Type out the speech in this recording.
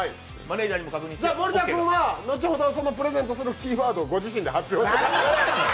森田君は後ほどプレゼントするキーワードをご自身で発表して。